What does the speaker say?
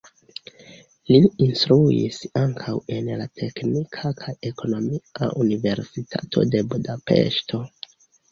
Li instruis ankaŭ en la Teknika kaj Ekonomia Universitato de Budapeŝto.